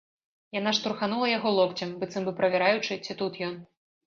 Яна штурханула яго локцем, быццам бы правяраючы, ці тут ён.